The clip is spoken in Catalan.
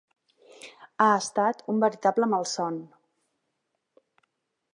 Ha estat un veritable malson.